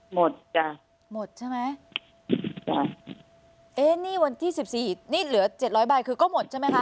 หมดจ้ะหมดใช่ไหมจ้ะเอ๊ะนี่วันที่สิบสี่อีกนี่เหลือเจ็ดร้อยใบคือก็หมดใช่ไหมคะ